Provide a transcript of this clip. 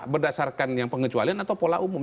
berdasarkan yang pengecualian atau pola umum